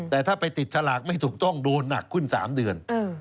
แต่ถ้าไปติดฉลากไม่ถูกต้องโดนหนักขึ้น๓เดือน